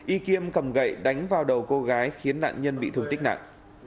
y kim cầm gậy đánh vào đầu cô gái khiến nạn nhân bị thương tích nạn